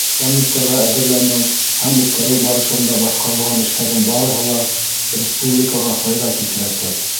Саммиттарға әҙерләнеү һәм үткәреү барышында башҡарылған эштәрҙең барыһы ла республикаға файҙа килтерәсәк.